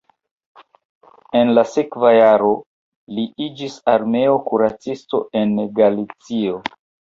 En la sekva jaro li iĝis armeo kuracisto en Galicio.